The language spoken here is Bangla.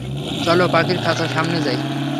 চলো, পাখির খাঁচার সামনে যাই।